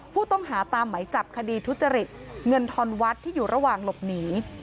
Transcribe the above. ผู้ต้องหาตามไหมจับคดีทุจริตเงินทอนวัดที่อยู่ระหว่างหลบหนี